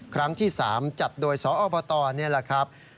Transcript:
ครั้งที่๓จัดโดยสอบตนี่แหละครับ